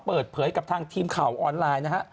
เปิดเผยกับทางทีมข่าวออนไลน์นะฮะ